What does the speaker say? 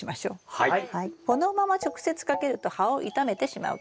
はい。